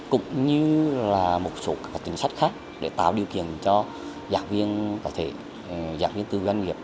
cũng như là một số các chính sách khác để tạo điều kiện cho giảng viên tư doanh nghiệp